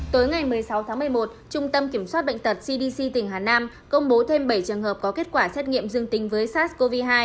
tối ngày một mươi sáu tháng một mươi một trung tâm kiểm soát bệnh tật cdc tỉnh hà nam công bố thêm bảy trường hợp có kết quả xét nghiệm dương tính với sars cov hai